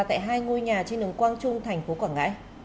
tại hai ngôi nhà trên đường quang trung tp cm